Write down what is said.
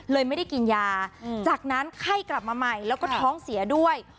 ไม่ได้กินยาจากนั้นไข้กลับมาใหม่แล้วก็ท้องเสียด้วย